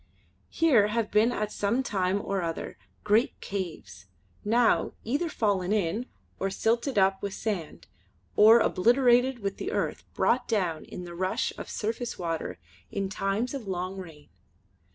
Here have been at some time or other great caves, now either fallen in or silted up with sand, or obliterated with the earth brought down in the rush of surface water in times of long rain.